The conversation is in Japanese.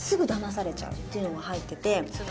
ていうのが入ってて。